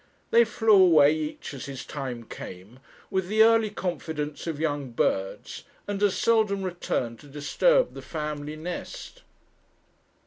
They flew away, each as his time came, with the early confidence of young birds, and as seldom returned to disturb the family nest.